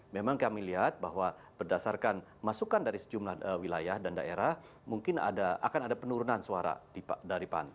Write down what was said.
memang kami lihat bahwa berdasarkan masukan dari sejumlah wilayah dan daerah mungkin akan ada penurunan suara dari pan